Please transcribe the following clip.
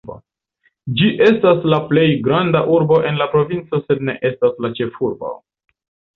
Ĝi estas la plej granda urbo en la provinco sed ne estas la ĉefurbo.